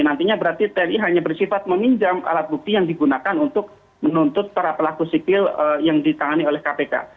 nantinya berarti tni hanya bersifat meminjam alat bukti yang digunakan untuk menuntut para pelaku sipil yang ditangani oleh kpk